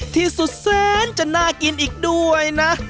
ที่สุดแสนจะน่ากินอีกด้วยนะ